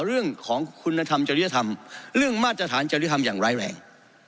เรื่องของคุณธรรมจริยธรรมเรื่องมาตรฐานจริยธรรมอย่างร้ายแรง